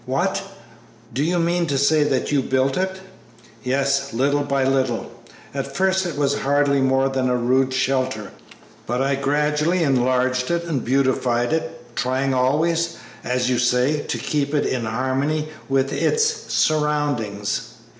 "What! do you mean to say that you built it?" "Yes, little by little. At first it was hardly more than a rude shelter, but I gradually enlarged it and beautified it, trying always, as you say, to keep it in harmony with its surroundings."